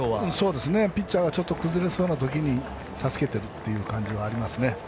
ピッチャーはちょっと崩れそうな時に助けてるという感じはあります。